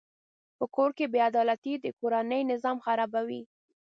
په کور کې بېعدالتي د کورنۍ نظام خرابوي.